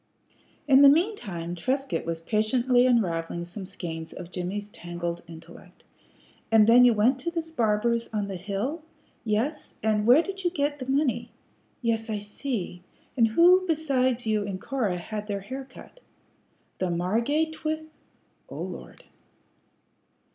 In the mean time Trescott was patiently unravelling some skeins of Jimmie's tangled intellect. "And then you went to this barber's on the hill. Yes. And where did you get the money? Yes. I see. And who besides you and Cora had their hair cut? The Margate twi Oh, lord!"